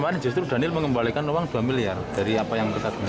nah kemarin justru daniel mengembalikan uang dua miliar dari apa yang kita dengar